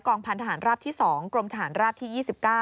พันธหารราบที่๒กรมทหารราบที่๒๙